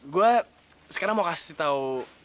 gue sekarang mau kasih tau